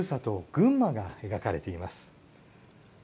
群馬が描かれています。